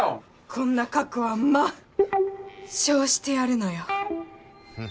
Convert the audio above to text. こんな過去はまっしょうしてやるのよふふふ